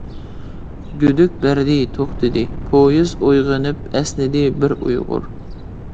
گۈدۈك بەردى توختىدى پويىز ئويغىنىپ ئەسنىدى بىر ئۇيغۇر.